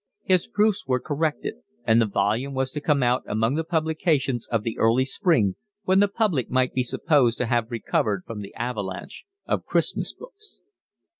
His proofs were corrected; and the volume was to come out among the publications of the early spring, when the public might be supposed to have recovered from the avalanche of Christmas books.